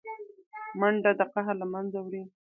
منډه د قهر له منځه وړي